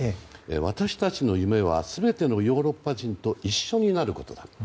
私たちの夢は全てのヨーロッパ人と一緒になることだ。